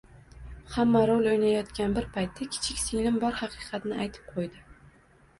Hamma rol o`ynayotgan bir paytda kichik singlim bor haqiqatni aytib qo`ydi